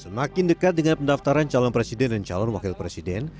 semakin dekat dengan pendaftaran calon presiden dan calon wakil presiden